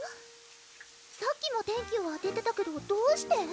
さっきも天気を当ててたけどどうして？